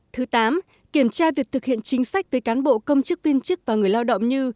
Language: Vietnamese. thứ tám kiểm tra việc thực hiện chính sách với cán bộ công chức viên chức và người lao động như